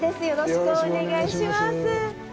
よろしくお願いします。